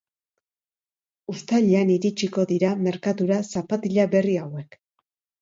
Uztailean iritsiko dira merkatura zapatila berri hauek.